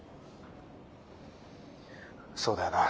そうだよな。